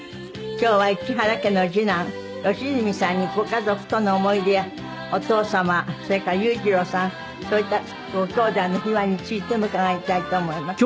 今日は石原家の次男良純さんにご家族との思い出やお父様それから裕次郎さんそういったご兄弟の秘話についても伺いたいと思います。